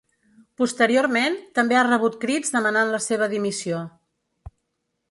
Posteriorment, també ha rebut crits demanant la seva dimissió.